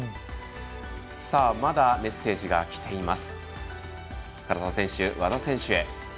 まだ、メッセージがきています。